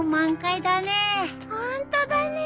ホントだね。